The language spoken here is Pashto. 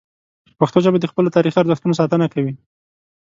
پښتو ژبه د خپلو تاریخي ارزښتونو ساتنه کوي.